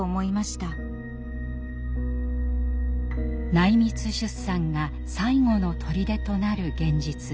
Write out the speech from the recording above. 内密出産が最後のとりでとなる現実。